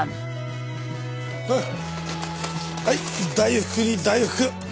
はい大福に大福。